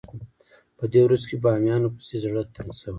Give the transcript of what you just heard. په دې ورځو کې بامیانو پسې زړه تنګ شوی.